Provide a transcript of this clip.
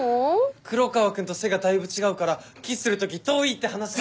黒川君と背がだいぶ違うからキスする時遠いって話かな？